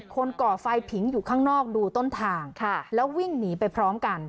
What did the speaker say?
ก่อไฟผิงอยู่ข้างนอกดูต้นทางแล้ววิ่งหนีไปพร้อมกัน